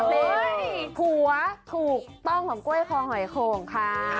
นี่ผัวถูกต้องของกล้วยคอหอยโข่งค่ะ